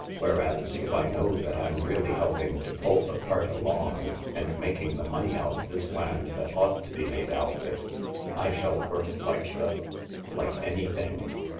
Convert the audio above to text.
Whereas if I know that I'm really helping to pull the cart along, and making the money out of this land that ought to be made out of it, I shall work like the— like anything.